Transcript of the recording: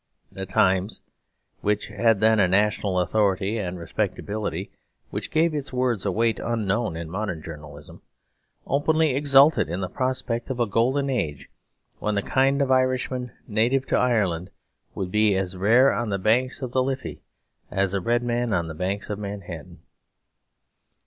The Times, which had then a national authority and respectability which gave its words a weight unknown in modern journalism, openly exulted in the prospect of a Golden Age when the kind of Irishman native to Ireland would be "as rare on the banks of the Liffey as a red man on the banks of the Manhattan."